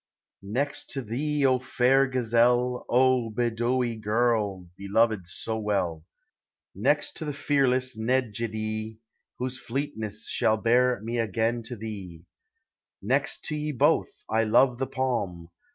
Next to thee, O fair gazelle, O Beddowee girl, beloved so well ; Next to the fearless Xedjider. Whose fleetness shall bear me again to thee; Next to ye both, I love the palm.